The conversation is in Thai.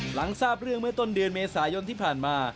หลังทราบเรื่องเมื่อต้นเดือนเมษายนที่ผ่านมา